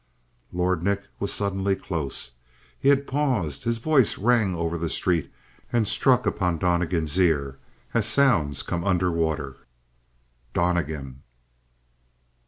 Lord Nick was suddenly close; he had paused; his voice rang over the street and struck upon Donnegan's ear as sounds come under water. "Donnegan!"